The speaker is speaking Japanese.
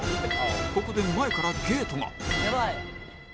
ここで前からゲートが